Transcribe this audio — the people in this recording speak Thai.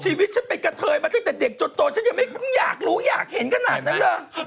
ชีวิตฉันไปกระเทยมาตั้งแต่เด็กจนโตฉันยังไม่อยากรู้อยากเห็นขนาดนั้นเลย